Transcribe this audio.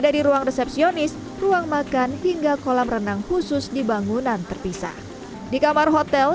dari ruang resepsionis ruang makan hingga kolam renang khusus di bangunan terpisah di kamar hotel